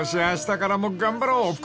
あしたからも頑張ろう］